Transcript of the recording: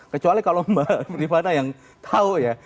kecuali kalau mbak rifana yang tahu ya